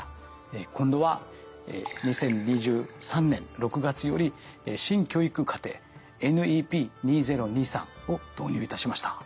今度は２０２３年６月より新教育課程ＮＥＰ２０２３を導入いたしました。